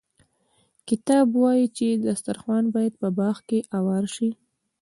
کتاب وايي چې دسترخوان باید په باغ کې اوار شي.